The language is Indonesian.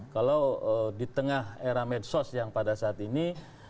kalau di tengah era medsos yang pada saat ini